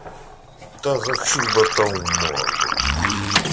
Та за чуба, та в морду!